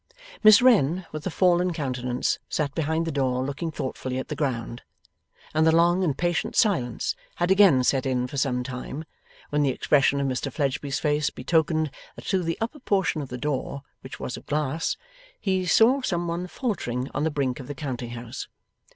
Miss Wren with a fallen countenance sat behind the door looking thoughtfully at the ground, and the long and patient silence had again set in for some time, when the expression of Mr Fledgeby's face betokened that through the upper portion of the door, which was of glass, he saw some one faltering on the brink of the counting house.